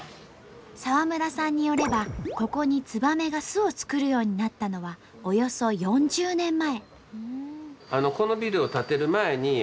澤村さんによればここにツバメが巣を作るようになったのはおよそ４０年前。